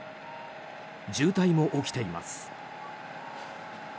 渋滞も起きています。